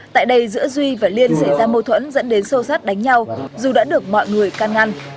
tại đây giữa duy và liên xảy ra mâu thuẫn dẫn đến sâu sát đánh nhau dù đã được mọi người can ngăn